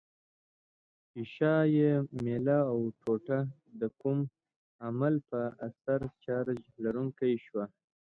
ښيښه یي میله او ټوټه د کوم عامل په اثر چارج لرونکې شوه؟